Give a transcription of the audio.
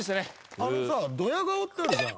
あのさドヤ顔ってあるじゃん。